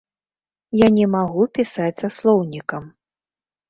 Я не магу пісаць са слоўнікам.